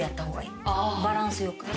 バランス良く。